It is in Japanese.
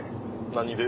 何で？